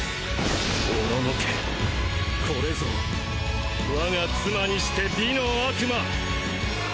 おののけこれぞ我が妻にして美の悪魔。